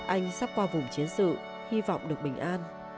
anh sắp qua vùng chiến sự hy vọng được bình an